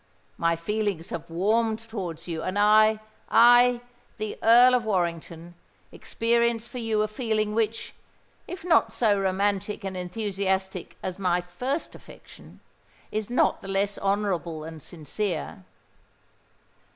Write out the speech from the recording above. My feelings have warmed towards you; and I—I, the Earl of Warrington—experience for you a feeling which, if not so romantic and enthusiastic as my first affection, is not the less honourable and sincere."